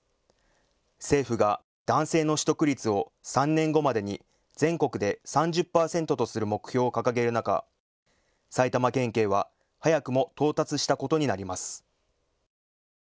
政府が男性の取得率を３年後までに全国で３０％とする目標を掲げる中、埼玉県警は早くも到達したことになります。